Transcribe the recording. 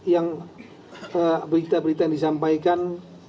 yang berita berita yang disampaikan